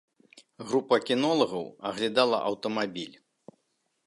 Група кінолагаў аглядала аўтамабіль.